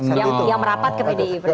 yang merapat ke pdip